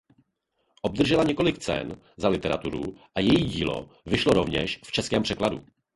Obdržela několik cen za literaturu a její dílo vyšlo rovněž v českém překladu.